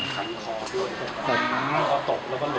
ครับ